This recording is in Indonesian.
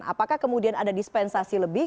apakah kemudian ada dispensasi lebih